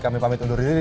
kami pamit undur diri